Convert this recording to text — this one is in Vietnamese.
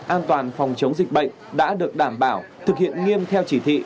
an toàn phòng chống dịch bệnh đã được đảm bảo thực hiện nghiêm theo chỉ thị